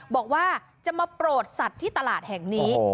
บอกว่าจะมาโปรดสัตว์ที่ตลาดแห่งนี้